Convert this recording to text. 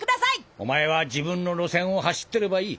お前は自分の路線を走ってればいい。